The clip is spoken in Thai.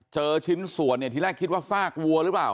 เจอชิ้นสวนเนี่ยคิดว่าที่แรกสร้ากวัวหรือเปล่า